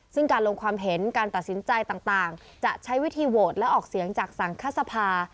ซึ่งการลงความเห็นการตัดสินใจต่างจะใช้วิธีโหวตและออกเสียงจากสังฆษภา